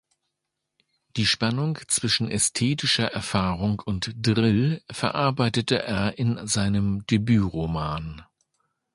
Die Spannung zwischen ästhetischer Erfahrung und Drill verarbeitete er in seinem Debütroman.